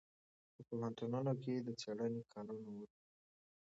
په پوهنتونونو کې د څېړنې کارونه وکړئ.